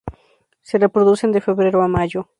Se reproducen de febrero a mayo.